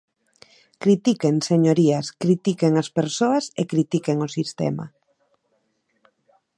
Critiquen, señorías, critiquen as persoas e critiquen o sistema.